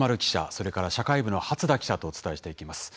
それから社会部の初田記者とお伝えしていきます。